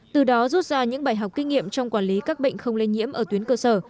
từ đó rút ra những bài học kinh nghiệm trong quản lý các bệnh không lây nhiễm ở tuyến cơ sở